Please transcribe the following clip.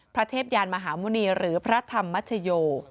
เทพยานมหาหมุณีหรือพระธรรมชโย